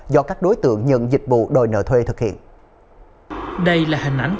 do các đối tượng nhận dịch vụ đòi nợ thuê thực hiện